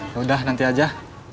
yaudah nanti aja